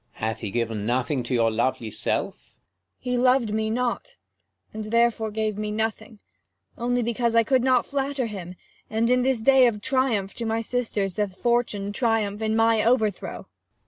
King. Hath he given nothing to your lovely self? 70 Cor. He lov'd me not, and therefore gave me nothing, Only because I could not flatter him : And in this day of triumph to my sisters, Doth Fortune triumph in my overthrow.